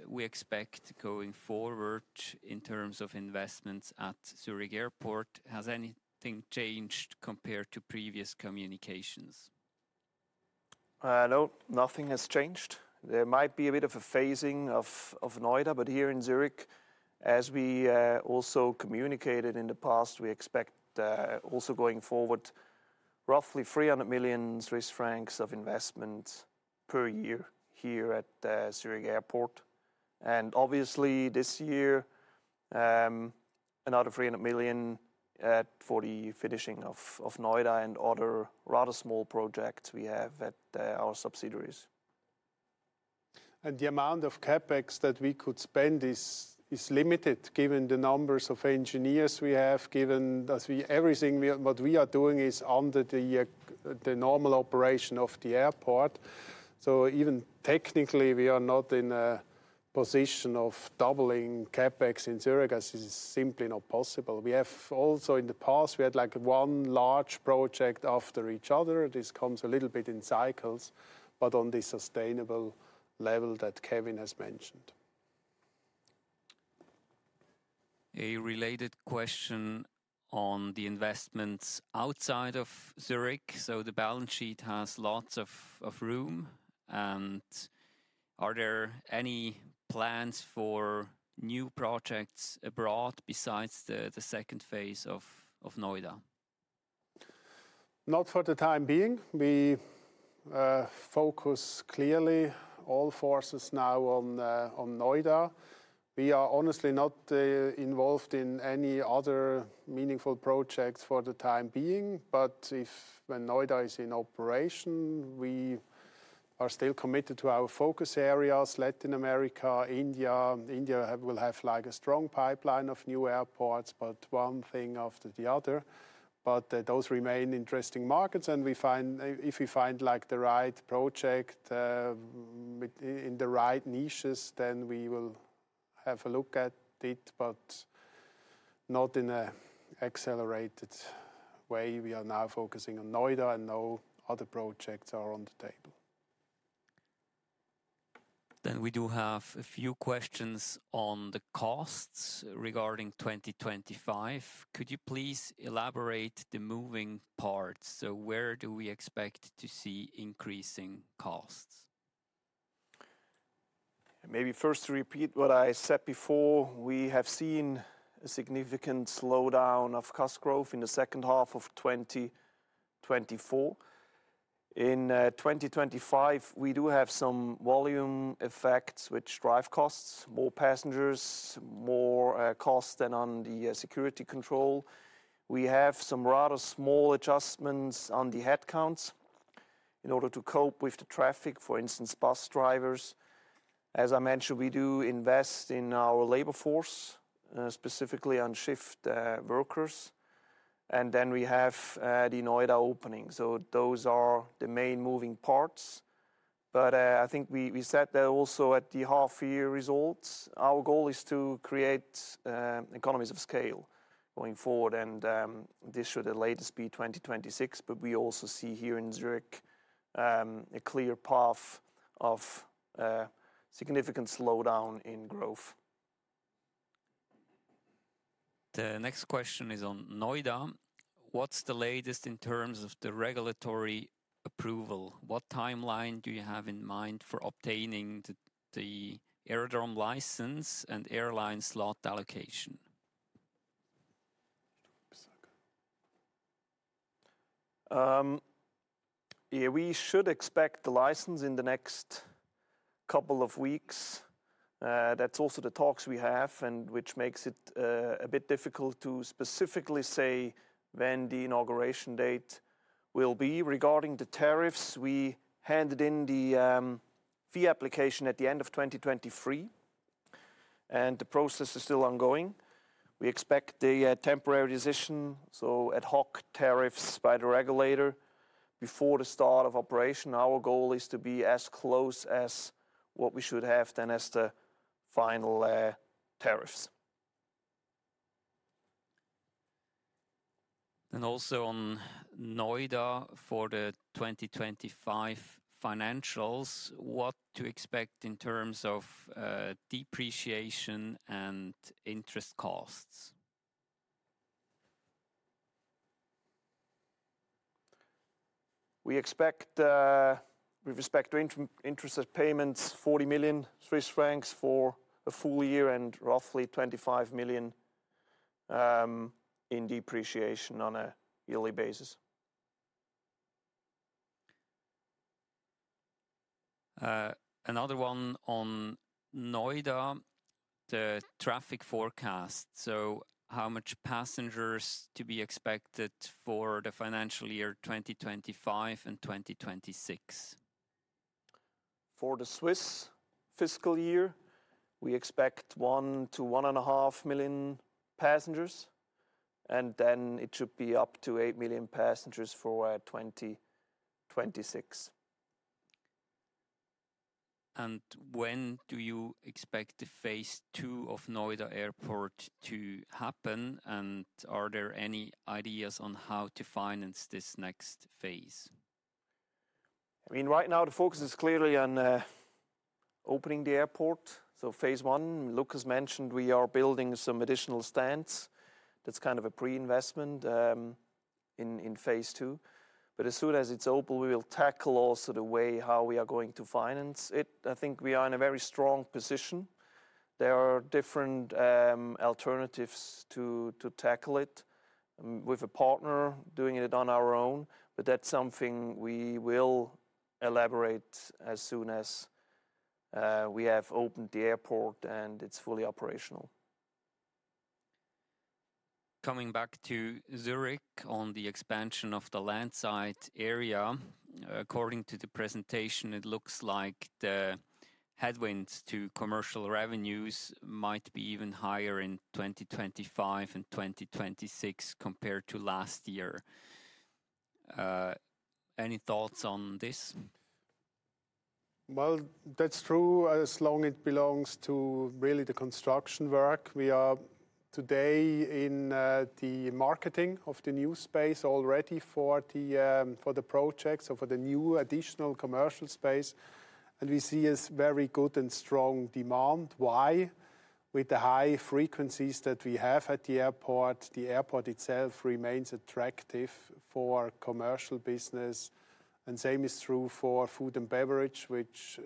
we expect going forward in terms of investments at Zurich Airport? Has anything changed compared to previous communications? No, nothing has changed. There might be a bit of a phasing of Noida, but here in Zurich, as we also communicated in the past, we expect also going forward roughly 300 million Swiss francs of investment per year here at Zurich Airport. Obviously this year, another 300 million for the finishing of Noida and other rather small projects we have at our subsidiaries. The amount of CapEx that we could spend is limited given the number of engineers we have, given that everything what we are doing is under the normal operation of the airport. Even technically, we are not in a position of doubling CapEx in Zurich as it is simply not possible. We have also in the past, we had like one large project after each other. This comes a little bit in cycles, but on the sustainable level that Kevin has mentioned. A related question on the investments outside of Zurich. The balance sheet has lots of room. Are there any plans for new projects abroad besides the second phase of Noida? Not for the time being. We focus clearly all forces now on Noida. We are honestly not involved in any other meaningful projects for the time being. If when Noida is in operation, we are still committed to our focus areas, Latin America, India. India will have like a strong pipeline of new airports, but one thing after the other. Those remain interesting markets, and if we find like the right project in the right niches, then we will have a look at it, but not in an accelerated way. We are now focusing on Noida, and no other projects are on the table. We do have a few questions on the costs regarding 2025. Could you please elaborate the moving parts? Where do we expect to see increasing costs? Maybe first to repeat what I said before, we have seen a significant slowdown of cost growth in the second half of 2024. In 2025, we do have some volume effects which drive costs, more passengers, more costs than on the security control. We have some rather small adjustments on the headcounts in order to cope with the traffic, for instance, bus drivers. As I mentioned, we do invest in our labor force, specifically on shift workers. We have the Noida opening. Those are the main moving parts. I think we said that also at the half-year results, our goal is to create economies of scale going forward, and this should at latest be 2026. We also see here in Zurich a clear path of significant slowdown in growth. The next question is on Noida. What's the latest in terms of the regulatory approval? What timeline do you have in mind for obtaining the aerodrome license and airline slot allocation? Yeah, we should expect the license in the next couple of weeks. That's also the talks we have, which makes it a bit difficult to specifically say when the inauguration date will be. Regarding the tariffs, we handed in the fee application at the end of 2023, and the process is still ongoing. We expect the temporary decision, so ad hoc tariffs by the regulator before the start of operation. Our goal is to be as close as what we should have then as the final tariffs. Also on Noida for the 2025 financials, what to expect in terms of depreciation and interest costs? We expect interest payments, 40 million Swiss francs for a full year and roughly 25 million in depreciation on a yearly basis. Another one on Noida, the traffic forecast. How much passengers to be expected for the financial year 2025 and 2026? For the Swiss fiscal year, we expect one to one and a half million passengers, and then it should be up to eight million passengers for 2026. When do you expect the phase two of Noida Airport to happen, and are there any ideas on how to finance this next phase? I mean, right now the focus is clearly on opening the airport. Phase one, Lukas mentioned, we are building some additional stands. That is kind of a pre-investment in phase two. As soon as it is open, we will tackle also the way how we are going to finance it. I think we are in a very strong position. There are different alternatives to tackle it with a partner doing it on our own, but that's something we will elaborate as soon as we have opened the airport and it's fully operational. Coming back to Zurich on the expansion of the landside area, according to the presentation, it looks like the headwinds to commercial revenues might be even higher in 2025 and 2026 compared to last year. Any thoughts on this? That is true as long as it belongs to really the construction work. We are today in the marketing of the new space already for the projects or for the new additional commercial space, and we see a very good and strong demand. Why? With the high frequencies that we have at the airport, the airport itself remains attractive for commercial business, and same is true for food and beverage, which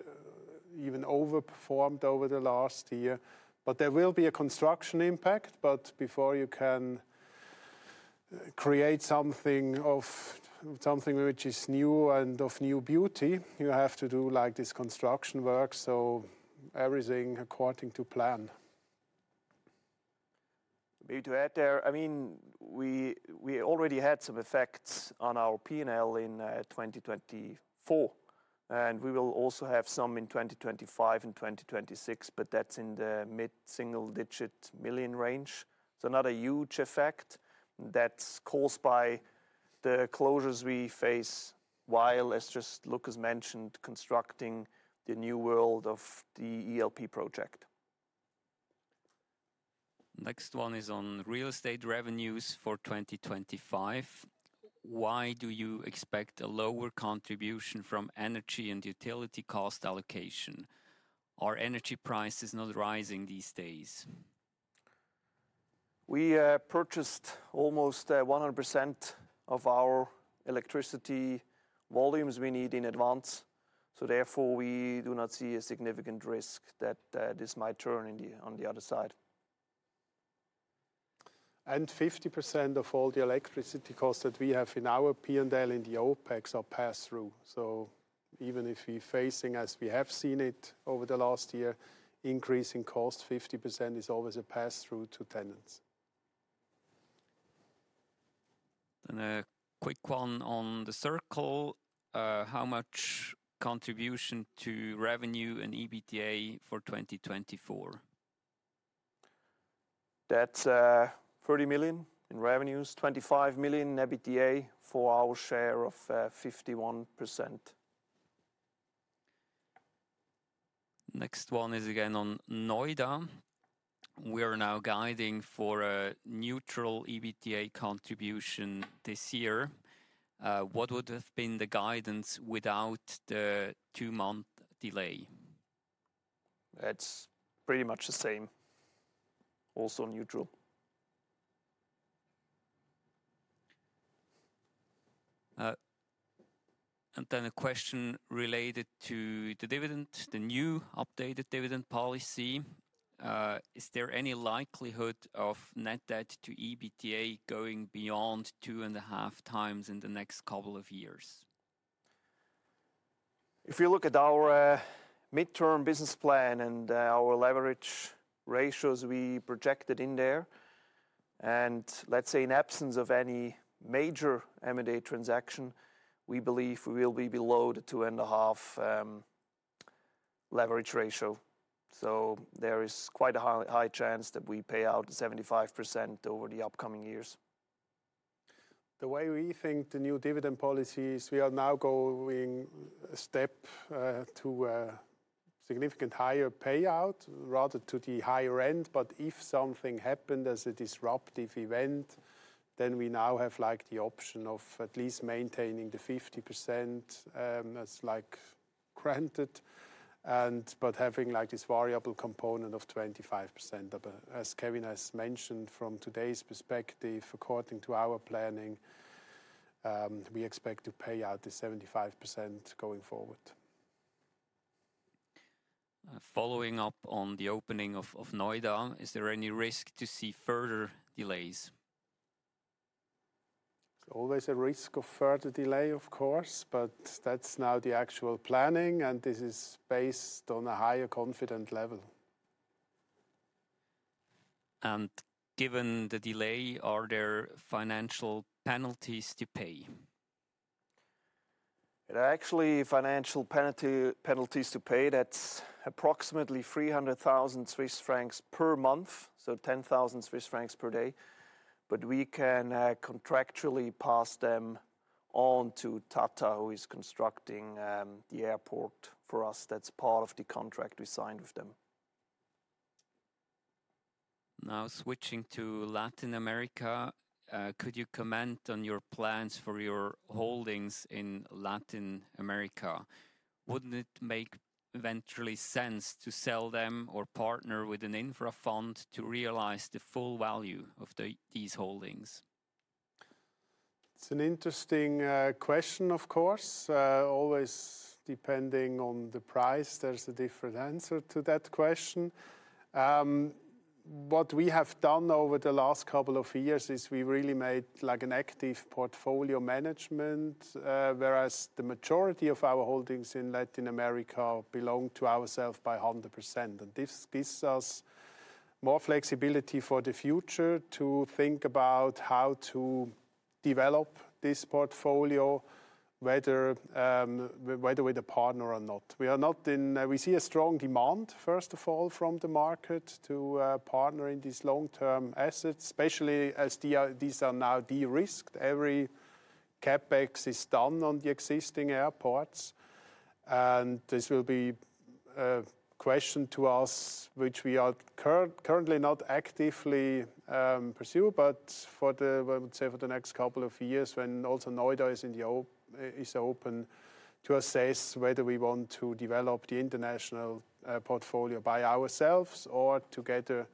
even overperformed over the last year. There will be a construction impact, but before you can create something of something which is new and of new beauty, you have to do like this construction work, so everything according to plan. Maybe to add there, I mean, we already had some effects on our P&L in 2024, and we will also have some in 2025 and 2026, but that's in the mid single-digit million range. Not a huge effect that's caused by the closures we face while as just Lukas mentioned, constructing the new world of the ELP project. Next one is on real estate revenues for 2025. Why do you expect a lower contribution from energy and utility cost allocation? Our energy price is not rising these days. We purchased almost 100% of our electricity volumes we need in advance, so therefore we do not see a significant risk that this might turn on the other side. 50% of all the electricity costs that we have in our P&L in the OpEx are pass-through. Even if we're facing, as we have seen it over the last year, increasing cost, 50% is always a pass-through to tenants. A quick one on the Circle. How much contribution to revenue and EBITDA for 2024? That's 30 million in revenues, 25 million EBITDA for our share of 51%. Next one is again on Noida. We are now guiding for a neutral EBITDA contribution this year. What would have been the guidance without the two-month delay? That's pretty much the same, also neutral. A question related to the dividend, the new updated dividend policy. Is there any likelihood of net debt to EBITDA going beyond 2.5x in the next couple of years? If you look at our midterm business plan and our leverage ratios we projected in there, and let's say in absence of any major M&A transaction, we believe we will be below the 2.5 leverage ratio. There is quite a high chance that we pay out 75% over the upcoming years. The way we think the new dividend policy is, we are now going a step to a significantly higher payout rather to the higher end, but if something happened as a disruptive event, then we now have the option of at least maintaining the 50% as granted, but having this variable component of 25%. As Kevin has mentioned from today's perspective, according to our planning, we expect to pay out the 75% going forward. Following up on the opening of Noida, is there any risk to see further delays? It is always a risk of further delay, of course, but that is now the actual planning, and this is based on a higher confidence level. Given the delay, are there financial penalties to pay? There are actually financial penalties to pay. That is approximately 300,000 Swiss francs per month, so 10,000 Swiss francs per day. We can contractually pass them on to Tata, who is constructing the airport for us. That is part of the contract we signed with them. Now switching to Latin America, could you comment on your plans for your holdings in Latin America? Wouldn't it make eventually sense to sell them or partner with an infra fund to realize the full value of these holdings? It's an interesting question, of course. Always depending on the price, there's a different answer to that question. What we have done over the last couple of years is we really made like an active portfolio management, whereas the majority of our holdings in Latin America belong to ourselves by 100%. And this gives us more flexibility for the future to think about how to develop this portfolio, whether with a partner or not. We are not in, we see a strong demand, first of all, from the market to partner in these long-term assets, especially as these are now de-risked. Every CapEx is done on the existing airports, and this will be a question to us, which we are currently not actively pursuing, but for the, I would say for the next couple of years, when also Noida is open to assess whether we want to develop the international portfolio by ourselves or together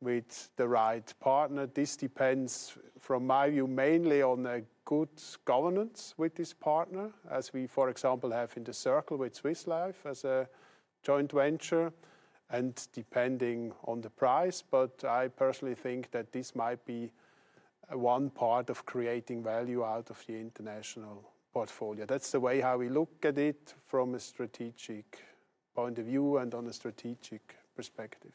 with the right partner. This depends from my view mainly on a good governance with this partner, as we, for example, have in the Circle with Swiss Life as a joint venture and depending on the price. I personally think that this might be one part of creating value out of the international portfolio. That is the way how we look at it from a strategic point of view and on a strategic perspective.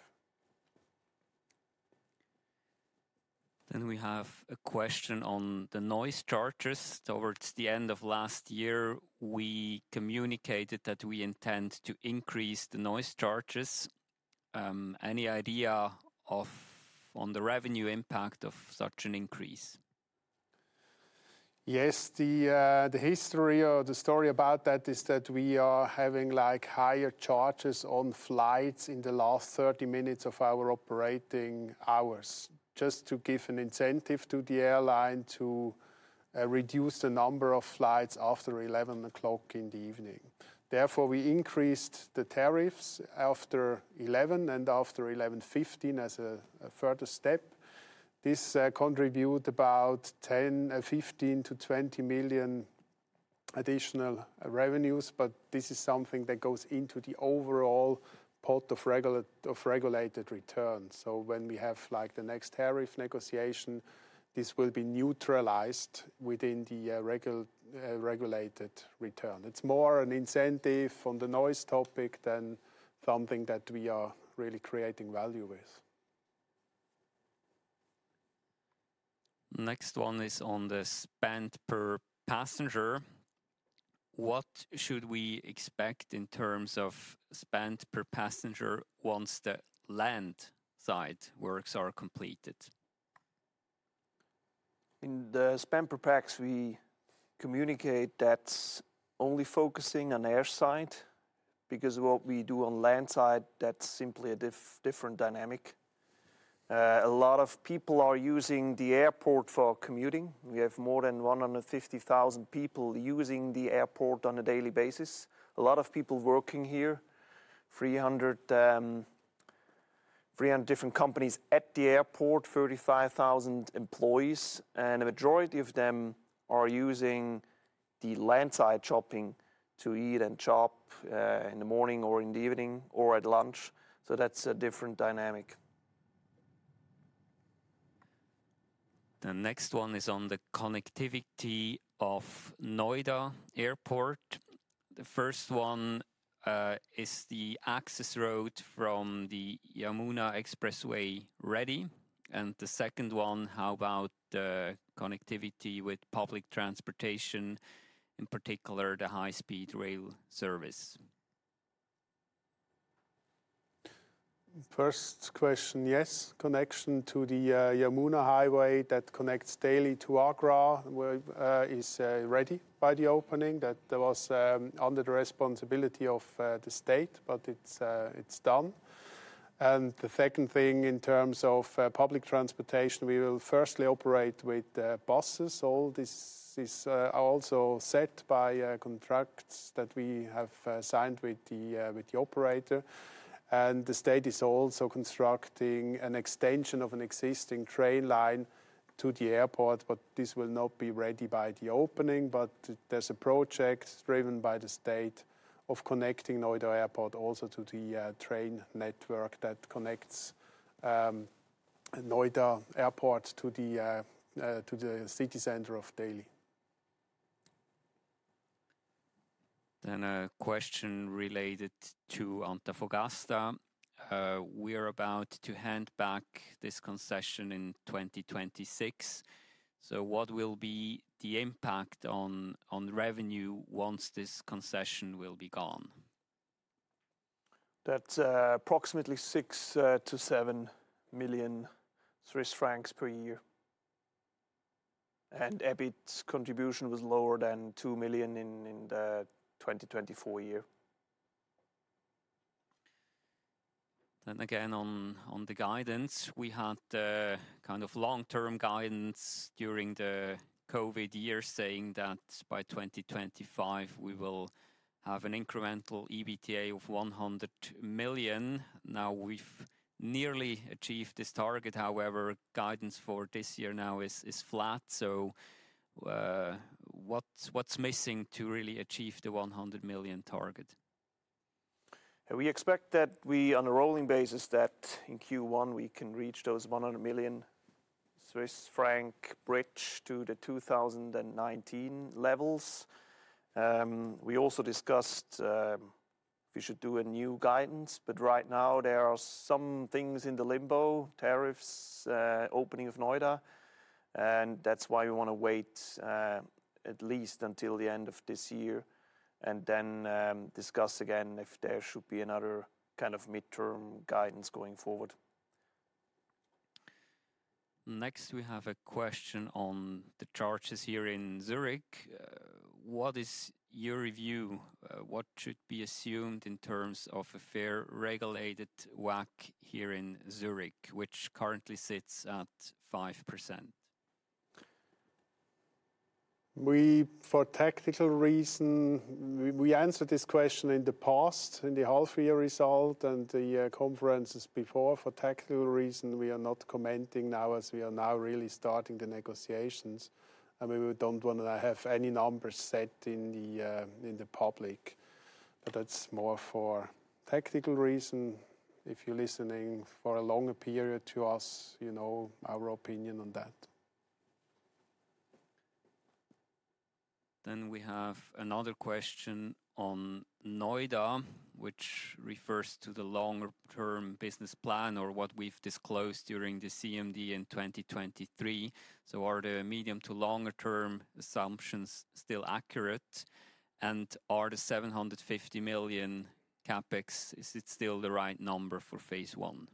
We have a question on the noise charges. Towards the end of last year, we communicated that we intend to increase the noise charges. Any idea on the revenue impact of such an increase? Yes, the history or the story about that is that we are having like higher charges on flights in the last 30 minutes of our operating hours, just to give an incentive to the airline to reduce the number of flights after 11:00 P.M. in the evening. Therefore, we increased the tariffs after 11:00 P.M. and after 11:15 P.M. as a further step. This contributes about 10 million-15 million-CHF 20 million additional revenues, but this is something that goes into the overall pot of regulated return. So when we have like the next tariff negotiation, this will be neutralized within the regulated return. It's more an incentive on the noise topic than something that we are really creating value with. Next one is on the spend per passenger. What should we expect in terms of spend per passenger once the landside works are completed? In the spend per pax, we communicate that's only focusing on airside because what we do on landside, that's simply a different dynamic. A lot of people are using the airport for commuting. We have more than 150,000 people using the airport on a daily basis. A lot of people working here, 300 different companies at the airport, 35,000 employees, and a majority of them are using the landside shopping to eat and shop in the morning or in the evening or at lunch. That's a different dynamic. The next one is on the connectivity of Noida Airport. The first one is the access road from the Yamuna Expressway ready, and the second one, how about the connectivity with public transportation, in particular the high-speed rail service? First question, yes, connection to the Yamuna Highway that connects Delhi to Agra is ready by the opening. That was under the responsibility of the state, but it's done. The second thing in terms of public transportation, we will firstly operate with buses. All this is also set by contracts that we have signed with the operator, and the state is also constructing an extension of an existing train line to the airport, but this will not be ready by the opening, but there's a project driven by the state of connecting Noida Airport also to the train network that connects Noida Airport to the city center of Delhi. Then a question related to Antofagasta. We are about to hand back this concession in 2026. What will be the impact on revenue once this concession will be gone? That is approximately CHF 6 million-CHF 7 million per year, and EBIT contribution was lower than 2 million in the 2024 year. Again on the guidance, we had kind of long-term guidance during the COVID year saying that by 2025 we will have an incremental EBITDA of 100 million. Now we have nearly achieved this target, however, guidance for this year now is flat. What is missing to really achieve the 100 million target? We expect that we on a rolling basis that in Q1 we can reach those 100 million Swiss franc bridge to the 2019 levels. We also discussed we should do a new guidance, but right now there are some things in the limbo, tariffs, opening of Noida, and that's why we want to wait at least until the end of this year and then discuss again if there should be another kind of midterm guidance going forward. Next we have a question on the charges here in Zurich. What is your review? What should be assumed in terms of a fair regulated WACC here in Zurich, which currently sits at 5%? For tactical reason, we answered this question in the past, in the half-year result and the conferences before. For tactical reason, we are not commenting now as we are now really starting the negotiations, and we don't want to have any numbers set in the public. That's more for tactical reason. If you're listening for a longer period to us, you know our opinion on that. We have another question on Noida, which refers to the longer-term business plan or what we've disclosed during the CMD in 2023. Are the medium to longer-term assumptions still accurate? And are the 750 million CapEx, is it still the right number for phase one?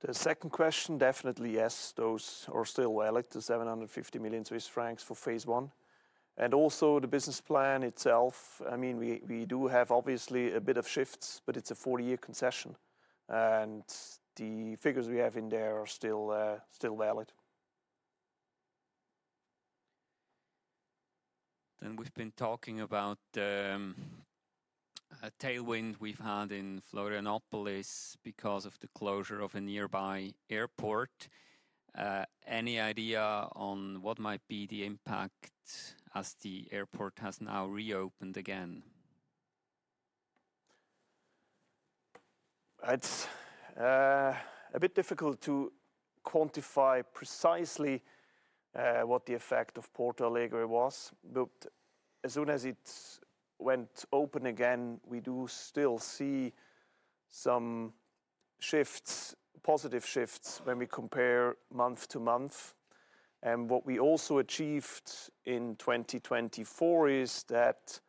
The second question definitely yes, those are still valid, the 750 million Swiss francs for phase one. Also the business plan itself, I mean we do have obviously a bit of shifts, but it's a 40-year concession, and the figures we have in there are still valid. We've been talking about the tailwind we've had in Florianópolis because of the closure of a nearby airport. Any idea on what might be the impact as the airport has now reopened again? It's a bit difficult to quantify precisely what the effect of Porto Alegre was, but as soon as it went open again, we do still see some shifts, positive shifts when we compare month to month. What we also achieved in 2024 is that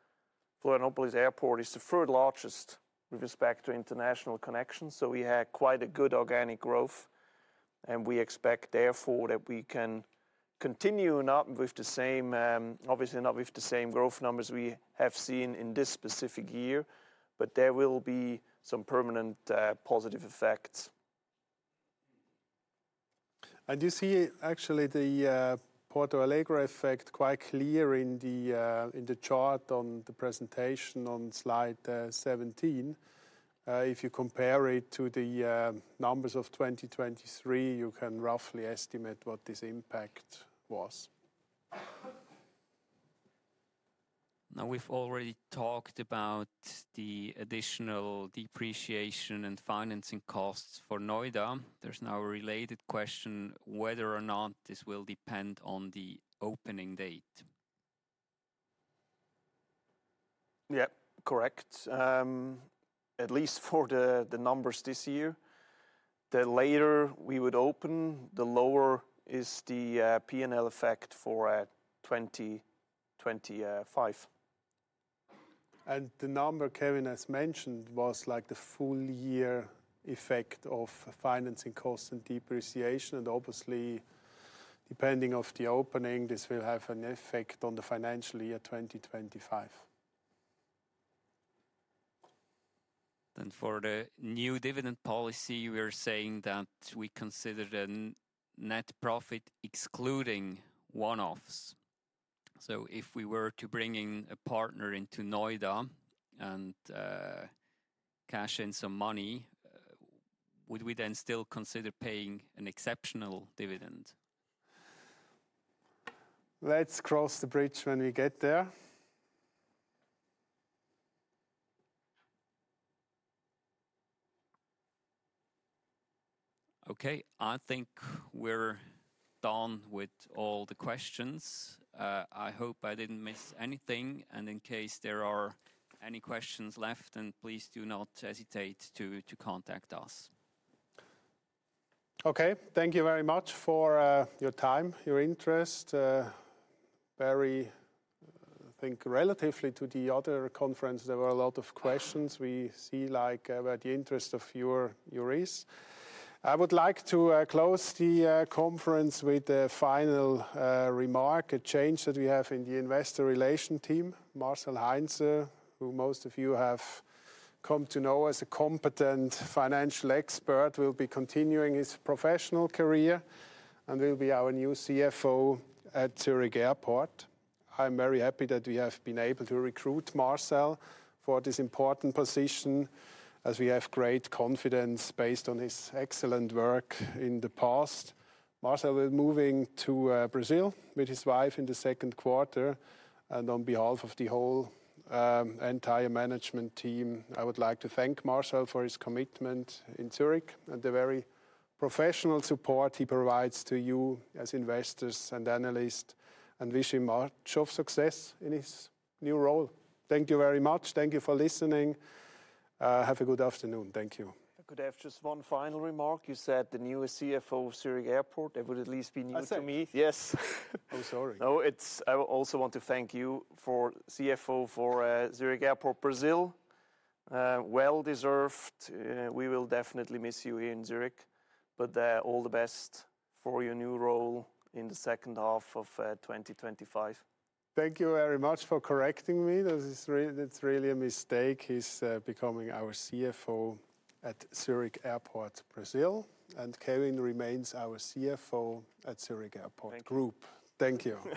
Florianópolis Airport is the third largest with respect to international connections, so we had quite a good organic growth, and we expect therefore that we can continue, not with the same, obviously not with the same growth numbers we have seen in this specific year, but there will be some permanent positive effects. You see actually the Porto Alegre effect quite clear in the chart on the presentation on slide 17. If you compare it to the numbers of 2023, you can roughly estimate what this impact was. Now we've already talked about the additional depreciation and financing costs for Noida. There's now a related question whether or not this will depend on the opening date. Yeah, correct. At least for the numbers this year, the later we would open, the lower is the P&L effect for 2025. And the number Kevin has mentioned was like the full year effect of financing costs and depreciation, and obviously depending on the opening, this will have an effect on the financial year 2025. Then for the new dividend policy, we are saying that we considered a net profit excluding one-offs. So if we were to bring in a partner into Noida and cash in some money, would we then still consider paying an exceptional dividend? Let's cross the bridge when we get there. Okay, I think we're done with all the questions. I hope I didn't miss anything, and in case there are any questions left, then please do not hesitate to contact us. Okay, thank you very much for your time, your interest. Very, I think relatively to the other conference, there were a lot of questions. We see like where the interest of your ears. I would like to close the conference with a final remark, a change that we have in the Investor Relation team. Marcel Heinzer, who most of you have come to know as a competent financial expert, will be continuing his professional career and will be our new CFO at Zurich Airport. I'm very happy that we have been able to recruit Marcel for this important position as we have great confidence based on his excellent work in the past. Marcel will be moving to Brazil with his wife in the second quarter, and on behalf of the whole entire management team, I would like to thank Marcel for his commitment in Zurich and the very professional support he provides to you as investors and analysts, and wish him much success in his new role. Thank you very much. Thank you for listening. Have a good afternoon. Thank you. Good afternoon. Just one final remark. You said the newest CFO of Zurich Airport. It would at least be new to me. Yes. I'm sorry. No, it's. I also want to thank you for CFO for Zurich Airport Brasil. Well deserved. We will definitely miss you in Zurich, but all the best for your new role in the second half of 2025. Thank you very much for correcting me. It's really a mistake. He's becoming our CFO at Zurich Airport Brasil, and Kevin remains our CFO at Zurich Airport Group. Thank you.